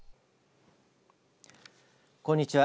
こんにちは。